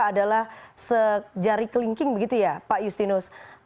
luka adalah sejari kelingking begitu ya pak yustinus